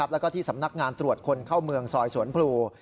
แล้วก็ที่สำนักงานตรวจคนเข้าเมืองซอยสวนพลู